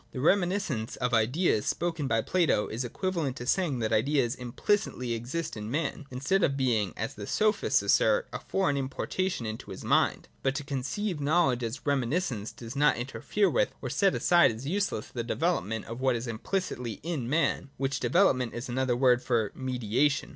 The reminiscence of ideas spoken of by Plato is equiva lent to saying that ideas implicitly exist in man, instead of being, as the Sophists assert, a foreign importation into his mind. But to conceive knowledge as reminiscence does not interfere with, or set aside as useless, the development of what is implicitly in man ;— which development is another word for mediation.